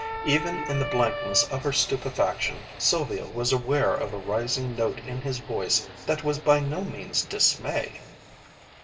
Even in the blankness of her stupefaction, Sylvia was aware of a rising note in his voice that was by no means dismay.